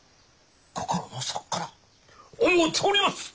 心の底から思うております！